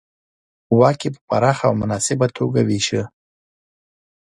واک یې په پراخه او مناسبه توګه وېشه.